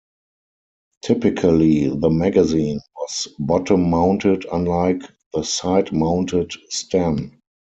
Typically, the magazine was bottom-mounted unlike the side-mounted Sten.